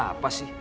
ada apa sih